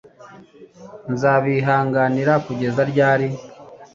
Nzabihariganira kugeza ryari ?»